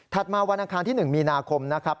มาวันอังคารที่๑มีนาคมนะครับ